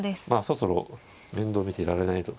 そろそろ面倒見ていられないと。